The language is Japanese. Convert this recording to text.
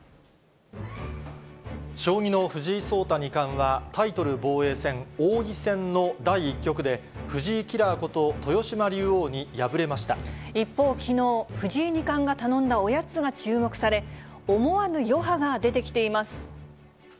将棋の藤井聡太二冠は、タイトル防衛戦、王位戦の第１局で、藤井キラーこと、豊島竜王に一方、きのう、藤井二冠が頼んだおやつが注目され、思わぬ余波が出てきています。